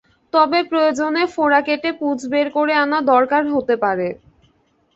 তবে প্রয়োজনে ফোড়া কেটে পুঁজ বের করে আনা দরকার হতে পারে।